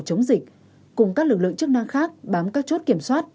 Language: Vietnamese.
chống dịch cùng các lực lượng chức năng khác bám các chốt kiểm soát